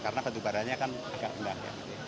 karena batu baranya kan agak rendah